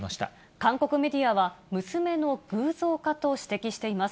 韓国メディアは、娘の偶像化と指摘しています。